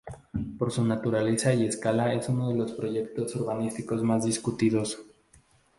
Por su naturaleza y escala es en uno de los proyectos urbanísticos más discutidos.